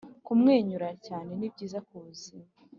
kumwenyura cyane ni byiza ku buzima